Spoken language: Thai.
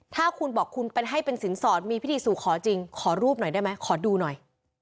ถ้าคุณบอกคุณให้เป็นสินสอดมีพิธีสู่ขอจริงขอรูปหน่อยได้ไหมขอดูหน่อย